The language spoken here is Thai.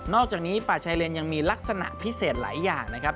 อกจากนี้ป่าชายเลนยังมีลักษณะพิเศษหลายอย่างนะครับ